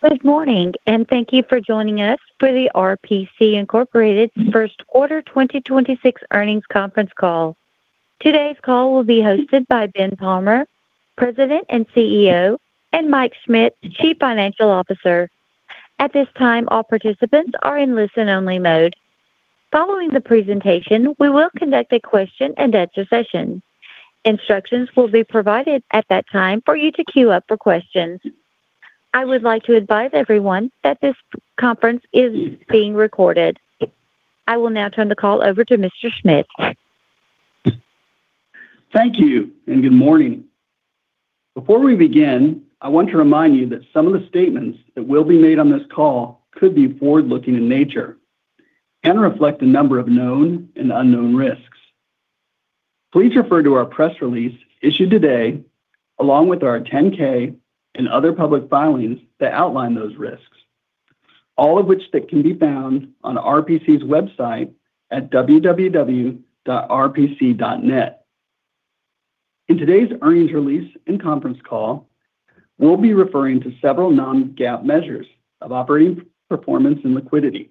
Good morning, and thank you for joining us for the RPC, Inc. first quarter 2026 earnings conference call. Today's call will be hosted by Ben M. Palmer, President and CEO, and Michael L. Schmit, Chief Financial Officer. At this time, all participants are in listen-only mode. Following the presentation, we will conduct a question-and-answer session. Instructions will be provided at that time for you to queue up for questions. I would like to advise everyone that this conference is being recorded. I will now turn the call over to Mr. Schmit. Thank you, and good morning. Before we begin, I want to remind you that some of the statements that will be made on this call could be forward-looking in nature and reflect a number of known and unknown risks. Please refer to our press release issued today, along with our 10-K and other public filings that outline those risks, all of which that can be found on RPC's website at www.rpc.net. In today's earnings release and conference call, we'll be referring to several non-GAAP measures of operating performance and liquidity.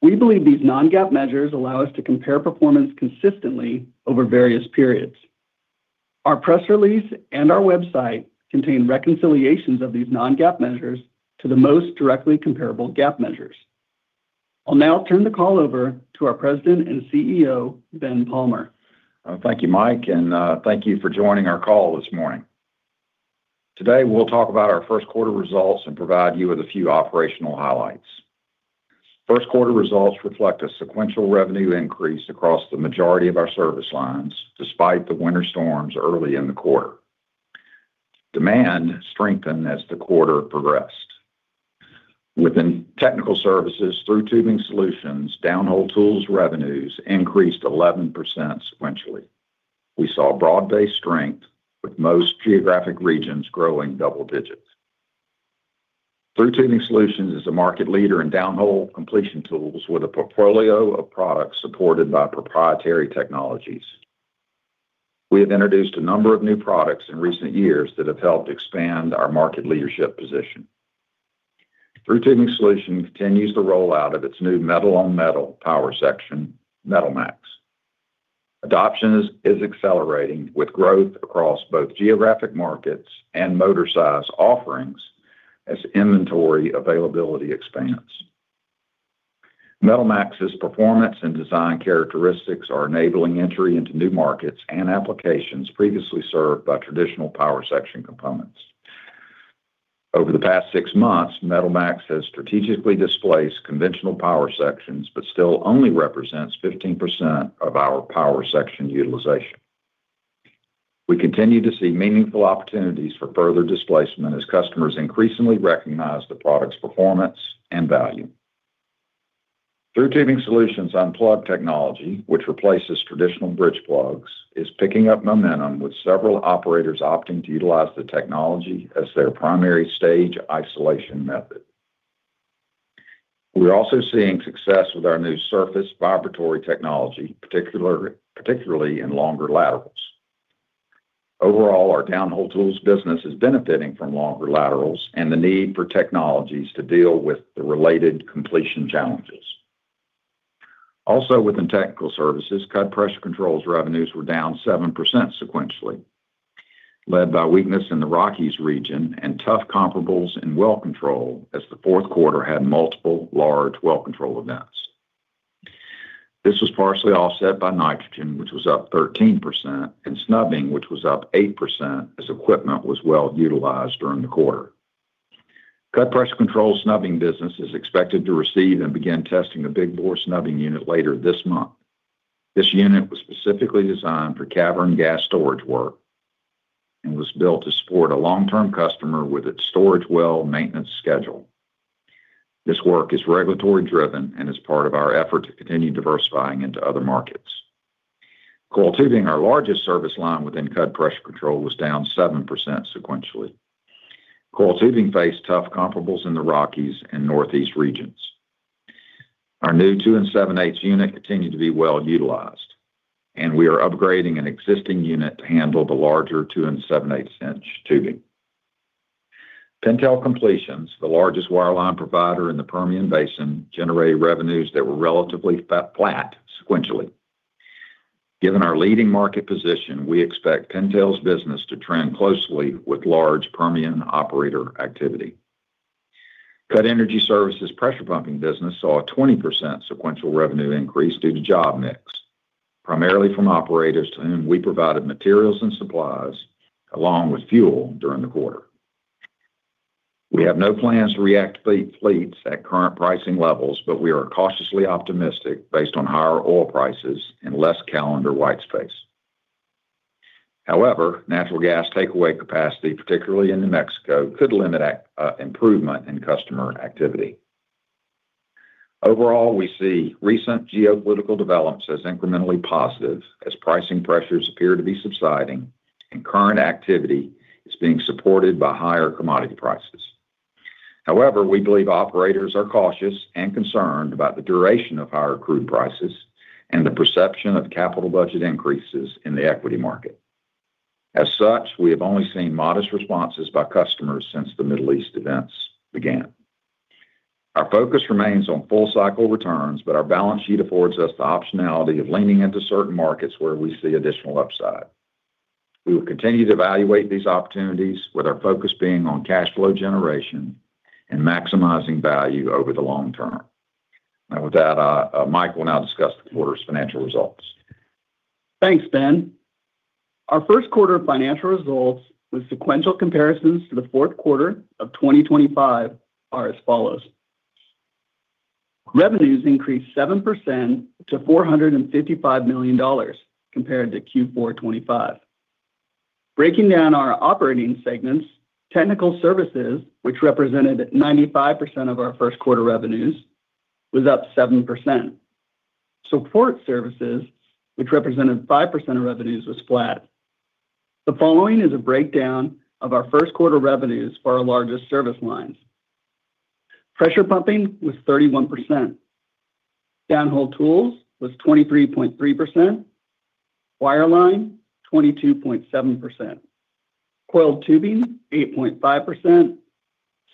We believe these non-GAAP measures allow us to compare performance consistently over various periods. Our press release and our website contain reconciliations of these non-GAAP measures to the most directly comparable GAAP measures. I'll now turn the call over to our President and CEO, Ben M. Palmer. Thank you, Michael, thank you for joining our call this morning. Today, we'll talk about our first quarter results and provide you with a few operational highlights. First quarter results reflect a sequential revenue increase across the majority of our service lines, despite the winter storms early in the quarter. Demand strengthened as the quarter progressed. Within Technical Services, Thru Tubing Solutions downhole tools revenues increased 11% sequentially. We saw broad-based strength with most geographic regions growing double digits. Thru Tubing Solutions is a market leader in downhole completion tools with a portfolio of products supported by proprietary technologies. We have introduced a number of new products in recent years that have helped expand our market leadership position. Thru Tubing Solutions continues the rollout of its new metal-on-metal power section, MetalMax. Adoption is accelerating with growth across both geographic markets and motor size offerings as inventory availability expands. MetalMax's performance and design characteristics are enabling entry into new markets and applications previously served by traditional power section components. Over the past six months, MetalMax has strategically displaced conventional power sections, but still only represents 15% of our power section utilization. We continue to see meaningful opportunities for further displacement as customers increasingly recognize the product's performance and value. Thru Tubing Solutions UnPlug technology, which replaces traditional bridge plugs, is picking up momentum with several operators opting to utilize the technology as their primary stage isolation method. We're also seeing success with our new surface vibratory technology, particularly in longer laterals. Overall, our downhole tools business is benefiting from longer laterals and the need for technologies to deal with the related completion challenges. Also within Technical Services, Cudd Pressure Control's revenues were down 7% sequentially, led by weakness in the Rockies region and tough comparables in well control as the fourth quarter had multiple large well control events. This was partially offset by nitrogen, which was up 13%, and snubbing, which was up 8% as equipment was well-utilized during the quarter. Cudd Pressure Control's snubbing business is expected to receive and begin testing the big bore snubbing unit later this month. This unit was specifically designed for cavern gas storage work and was built to support a long-term customer with its storage well maintenance schedule. This work is regulatory driven and is part of our effort to continue diversifying into other markets. Coil tubing, our largest service line within Cudd Pressure Control, was down 7% sequentially. Coil tubing faced tough comparables in the Rockies and Northeast regions. Our new two and 7/8 unit continued to be well-utilized, and we are upgrading an existing unit to handle the larger two and 7/8 inch tubing. Pintail Completions, the largest wireline provider in the Permian Basin, generated revenues that were relatively flat sequentially. Given our leading market position, we expect Pintail's business to trend closely with large Permian operator activity. Cudd Energy Services pressure pumping business saw a 20% sequential revenue increase due to job mix, primarily from operators to whom we provided materials and supplies along with fuel during the quarter. We have no plans to reactivate fleets at current pricing levels, but we are cautiously optimistic based on higher oil prices and less calendar whitespace. However, natural gas takeaway capacity, particularly in New Mexico, could limit improvement in customer activity. Overall, we see recent geopolitical developments as incrementally positive as pricing pressures appear to be subsiding and current activity is being supported by higher commodity prices. However, we believe operators are cautious and concerned about the duration of higher crude prices and the perception of capital budget increases in the equity market. As such, we have only seen modest responses by customers since the Middle East events began. Our focus remains on full cycle returns, but our balance sheet affords us the optionality of leaning into certain markets where we see additional upside. We will continue to evaluate these opportunities with our focus being on cash flow generation and maximizing value over the long term. Now with that, Michael will now discuss the quarter's financial results. Thanks, Ben. Our first quarter financial results with sequential comparisons to the fourth quarter of 2025 are as follows. Revenues increased 7% to $455 million compared to Q4 2025. Breaking down our operating segments, Technical Services, which represented 95% of our first quarter revenues, was up 7%. Support Services, which represented 5% of revenues, was flat. The following is a breakdown of our first quarter revenues for our largest service lines. Pressure pumping was 31%. downhole tools was 23.3%. Wireline, 22.7%. Coiled tubing, 8.5%.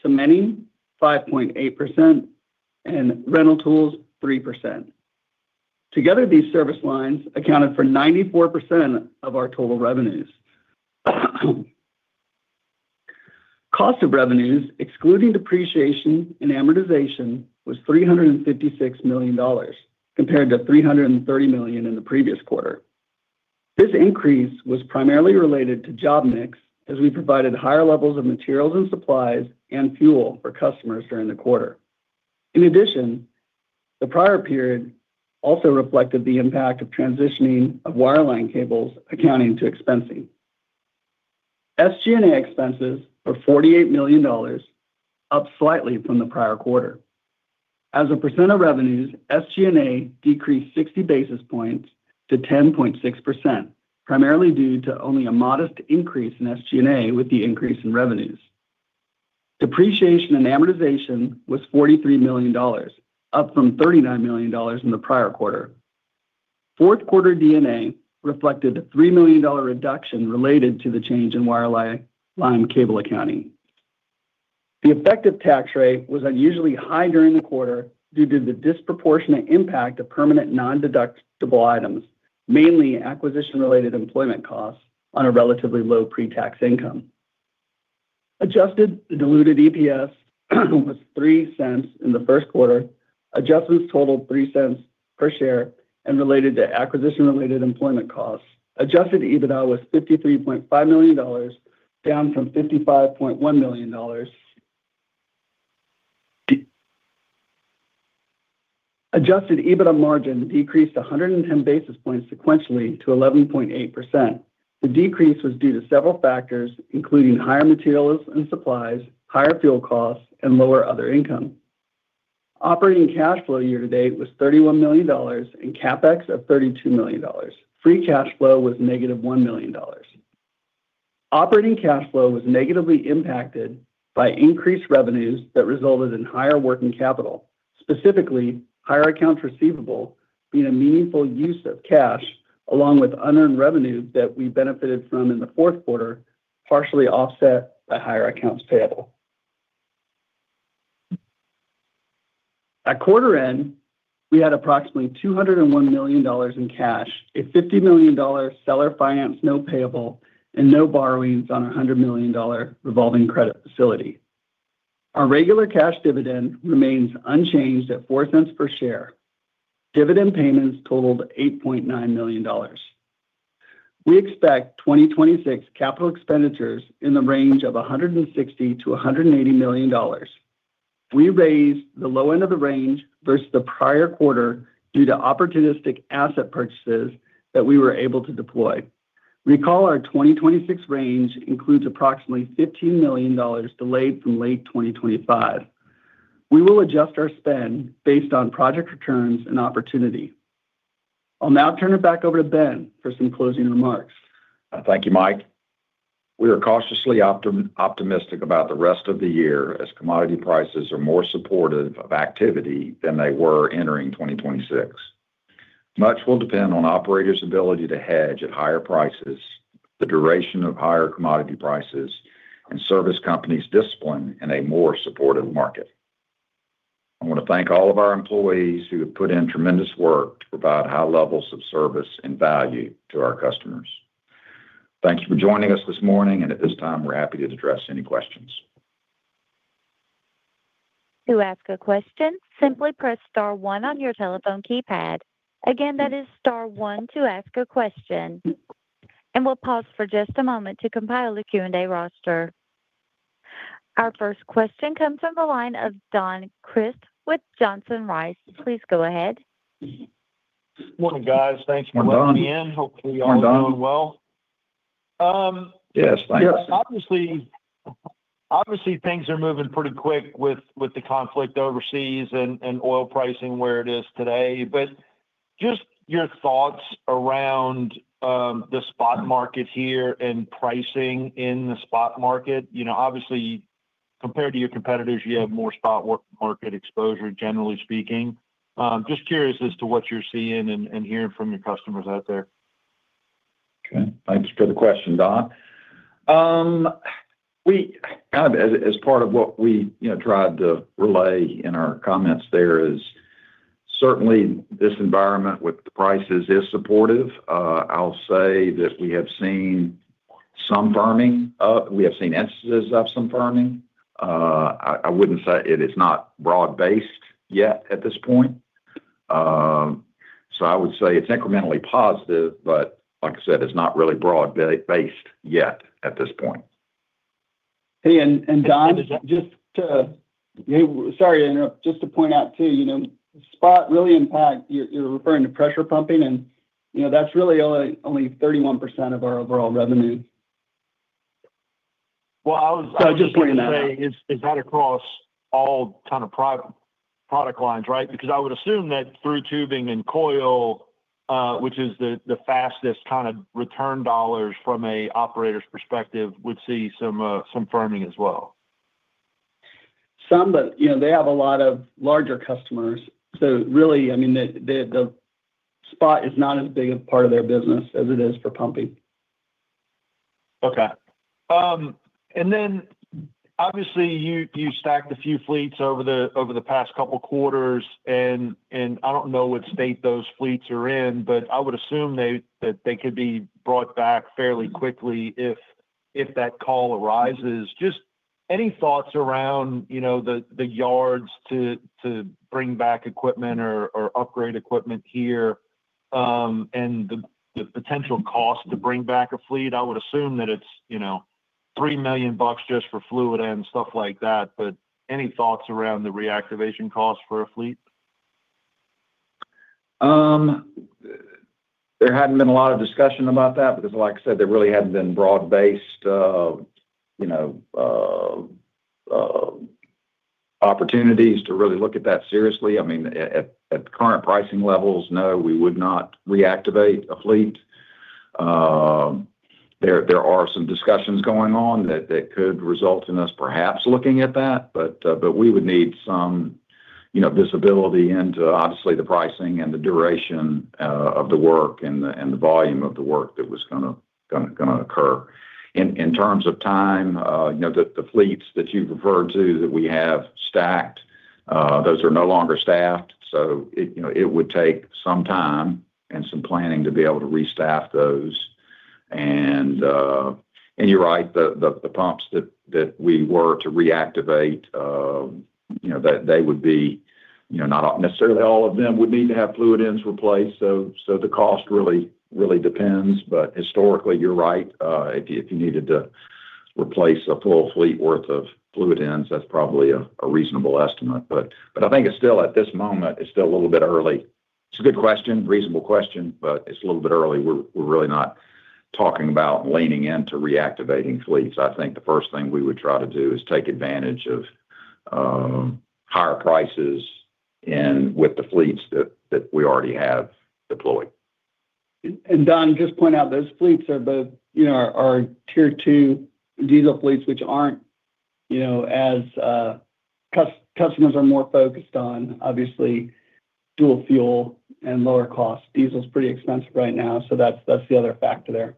Cementing, 5.8%. Rental tools, 3%. Together, these service lines accounted for 94% of our total revenues. Cost of revenues, excluding depreciation and amortization, was $356 million, compared to $330 million in the previous quarter. This increase was primarily related to job mix as we provided higher levels of materials and supplies and fuel for customers during the quarter. In addition, the prior period also reflected the impact of transitioning of wireline cables accounting to expensing. SG&A expenses are $48 million, up slightly from the prior quarter. As a percent of revenues, SG&A decreased 60 basis points to 10.6%, primarily due to only a modest increase in SG&A with the increase in revenues. Depreciation and amortization was $43 million, up from $39 million in the prior quarter. Fourth quarter D&A reflected a $3 million reduction related to the change in wireline cable accounting. The effective tax rate was unusually high during the quarter due to the disproportionate impact of permanent non-deductible items, mainly acquisition-related employment costs on a relatively low pre-tax income. Adjusted diluted EPS was $0.03 in the first quarter. Adjustments totaled $0.03 per share and related to acquisition-related employment costs. Adjusted EBITDA was $53.5 million, down from $55.1 million. Adjusted EBITDA margin decreased 110 basis points sequentially to 11.8%. The decrease was due to several factors, including higher materials and supplies, higher fuel costs, and lower other income. Operating cash flow year to date was $31 million and CapEx of $32 million. Free cash flow was negative $1 million. Operating cash flow was negatively impacted by increased revenues that resulted in higher working capital. Specifically, higher accounts receivable being a meaningful use of cash, along with unearned revenue that we benefited from in the fourth quarter, partially offset by higher accounts payable. At quarter end, we had approximately $201 million in cash, a $50 million seller finance note payable and no borrowings on our $100 million revolving credit facility. Our regular cash dividend remains unchanged at $0.04 per share. Dividend payments totaled $8.9 million. We expect 2026 CapEx in the range of $160 million-$180 million. We raised the low end of the range versus the prior quarter due to opportunistic asset purchases that we were able to deploy. Recall our 2026 range includes approximately $15 million delayed from late 2025. We will adjust our spend based on project returns and opportunity. I'll now turn it back over to Ben for some closing remarks. Thank you, Michael. We are cautiously optimistic about the rest of the year as commodity prices are more supportive of activity than they were entering 2026. Much will depend on operators' ability to hedge at higher prices, the duration of higher commodity prices, and service companies' discipline in a more supportive market. I wanna thank all of our employees who have put in tremendous work to provide high levels of service and value to our customers. Thank you for joining us this morning, and at this time, we're happy to address any questions. To ask a question, simply press star one on your telephone keypad. Again, that is star one to ask a question. We'll pause for just a moment to compile the Q&A roster. Our first question comes from the line of Don Crist with Johnson Rice. Please go ahead. Morning, guys. Thanks for letting me in. Morning, Don. Hopefully you all are doing well. Morning, Don. Yes, thanks. Obviously things are moving pretty quick with the conflict overseas and oil pricing where it is today. Just your thoughts around the spot market here and pricing in the spot market. You know, Compared to your competitors, you have more spot work market exposure, generally speaking. Just curious as to what you're seeing and hearing from your customers out there. Okay. Thanks for the question, Don. We kind of as part of what we, you know, tried to relay in our comments there is certainly this environment with the prices is supportive. I'll say that we have seen some firming up. We have seen instances of some firming. I wouldn't say it is not broad-based yet at this point. I would say it's incrementally positive, but like I said, it's not really broad-based yet at this point. Hey, Don, just to sorry to interrupt. Just to point out, too, you know, you're referring to Pressure Pumping and, you know, that's really only 31% of our overall revenue. Well. Just bringing that up. I was gonna say, is that across all kind of product lines, right? I would assume that Thru Tubing and coil, which is the fastest kind of return dollars from a operator's perspective, would see some firming as well. Some, but, you know, they have a lot of larger customers. really, I mean, the spot is not as big a part of their business as it is for pumping. Okay. Obviously you stacked a few fleets over the, over the past couple quarters, and I don't know what state those fleets are in, but I would assume they, that they could be brought back fairly quickly if that call arises. Just any thoughts around, you know, the yards to bring back equipment or upgrade equipment here, and the potential cost to bring back a fleet? I would assume that it's, you know, $3 million just for fluid and stuff like that, but any thoughts around the reactivation cost for a fleet? There hadn't been a lot of discussion about that because like I said, there really hadn't been broad-based, you know, opportunities to really look at that seriously. At current pricing levels, no, we would not reactivate a fleet. There are some discussions going on that could result in us perhaps looking at that, but we would need some, you know, visibility into obviously the pricing and the duration of the work and the volume of the work that was gonna occur. In terms of time, you know, the fleets that you've referred to that we have stacked, those are no longer staffed, so it, you know, it would take some time and some planning to be able to restaff those. You're right, the pumps that we were to reactivate, they would be not necessarily all of them would need to have fluid ends replaced, so the cost really depends. Historically, you're right. If you needed to replace a full fleet worth of fluid ends, that's probably a reasonable estimate. I think it's still, at this moment, it's still a little bit early. It's a good question, reasonable question, but it's a little bit early. We're really not talking about leaning into reactivating fleets. I think the first thing we would try to do is take advantage of higher prices in, with the fleets that we already have deployed. Don, just point out, those fleets are both, you know, are Tier 2 diesel fleets, which aren't, you know, as customers are more focused on obviously dual fuel and lower cost. Diesel's pretty expensive right now. That's the other factor there.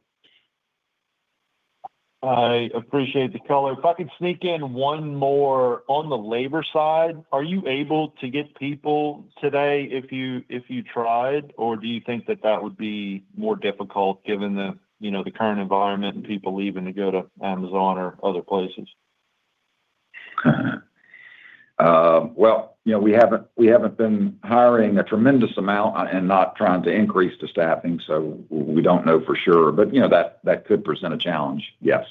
I appreciate the color. If I could sneak in one more. On the labor side, are you able to get people today if you tried? Do you think that would be more difficult given the, you know, the current environment and people leaving to go to Amazon or other places? Well, you know, we haven't been hiring a tremendous amount, and not trying to increase the staffing, so we don't know for sure. You know, that could present a challenge, yes.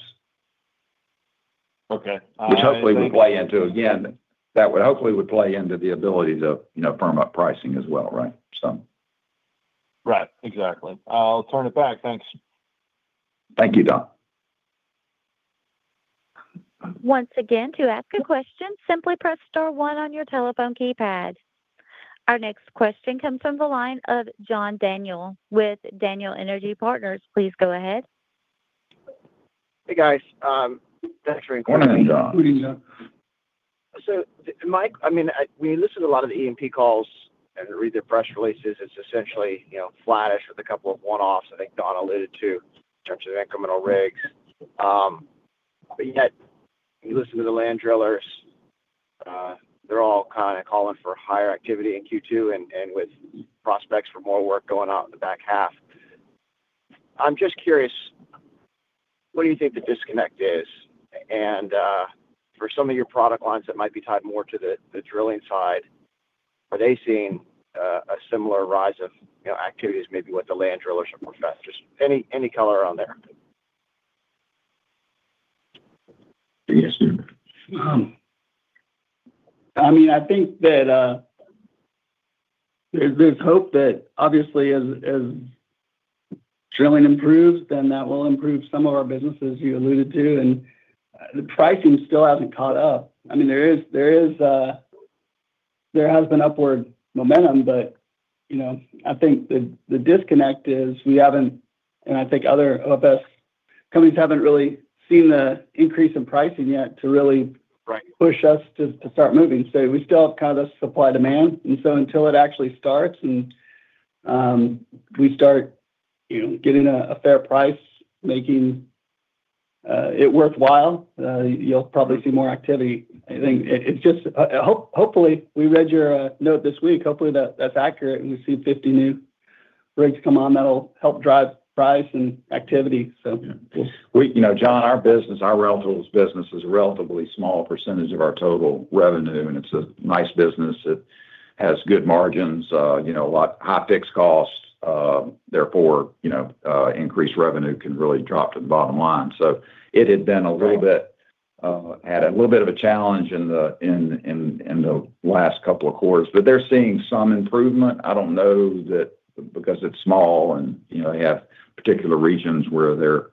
Okay. Which hopefully would play into the ability to, you know, firm up pricing as well, right? Right. Exactly. I'll turn it back. Thanks. Thank you, Don Crist. Once again, to ask a question, simply press star one on your telephone keypad. Our next question comes from the line of John Daniel with Daniel Energy Partners. Please go ahead. Hey, guys. Thanks for including me. Good morning, John. Good morning, John. Michael, When you listen to a lot of the E&P calls and read their press releases, it's essentially, you know, flattish with a couple of one-offs I think Don alluded to in terms of incremental rigs. Yet you listen to the land drillers, they're all kind of calling for higher activity in Q2 and with prospects for more work going out in the back half. I'm just curious, what do you think the disconnect is? For some of your product lines that might be tied more to the drilling side, are they seeing a similar rise of, you know, activity as maybe what the land drillers have professed? Just any color on there. Yes. I mean, I think that there's hope that obviously as drilling improves, then that will improve some of our business, as you alluded to, and the pricing still hasn't caught up. I mean, there is. There has been upward momentum, but, you know, I think the disconnect is we haven't, and I think other of U.S. companies haven't really seen the increase in pricing yet. Right Push us to start moving. We still have kind of supply demand. Until it actually starts and we start, you know, getting a fair price making it worthwhile, you'll probably see more activity. I think it's just hopefully we read your note this week. Hopefully that's accurate and we see 50 new rigs come on that'll help drive price and activity, so. Yeah. You know, John, our rental tools business is a relatively small percentage of our total revenue, and it's a nice business. It has good margins. You know, a lot high fixed costs, therefore, you know, increased revenue can really drop to the bottom line. It had been a little bit, had a little bit of a challenge in the last couple of quarters. They're seeing some improvement. I don't know that because it's small and, you know, they have particular regions where they're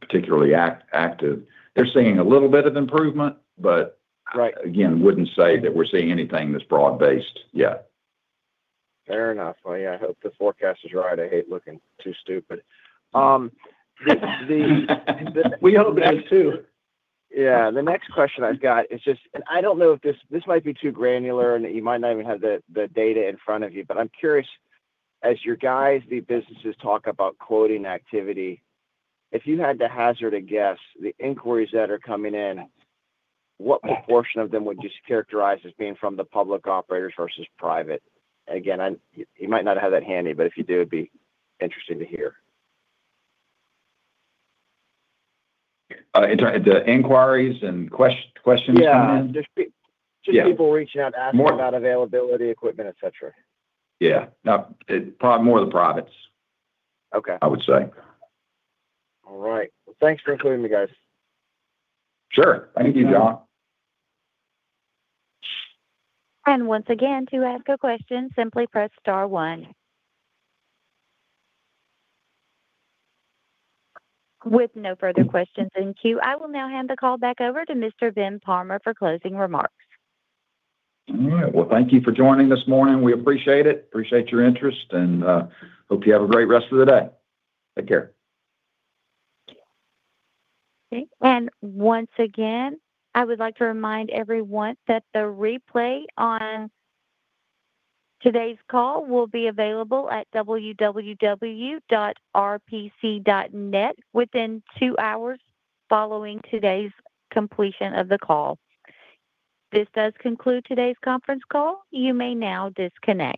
particularly active. They're seeing a little bit of improvement. Right Wouldn't say that we're seeing anything that's broad based yet. Fair enough. Yeah, I hope the forecast is right. I hate looking too stupid. We hope it is too. Yeah. The next question I've got is just, and I don't know if this might be too granular and you might not even have the data in front of you, but I'm curious, as your guys, the businesses talk about quoting activity, if you had to hazard a guess, the inquiries that are coming in, what proportion of them would you characterize as being from the public operators versus private? Again, you might not have that handy, but if you do, it'd be interesting to hear. The inquiries and questions coming in? Yeah. Yeah just people reaching out asking about availability, equipment, et cetera. Yeah. No, it probably more the privates. Okay. I would say. All right. Thanks for including me, guys. Sure. Thank you, John. Once again, to ask a question, simply press star one. With no further questions in queue, I will now hand the call back over to Mr. Ben M. Palmer for closing remarks. All right. Well, thank you for joining this morning. We appreciate it. Appreciate your interest and, hope you have a great rest of the day. Take care. Okay. Once again, I would like to remind everyone that the replay on today's call will be available at www.rpc.net within two hours following today's completion of the call. This does conclude today's conference call. You may now disconnect.